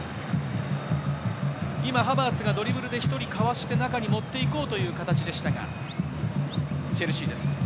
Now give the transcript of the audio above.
今、ハバーツがドリブルで１人かわして、中に持っていこうという形でしたがチェルシーです。